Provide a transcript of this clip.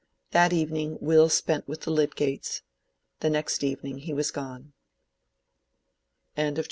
That evening Will spent with the Lydgates; the next evening he was gone. BOOK VII.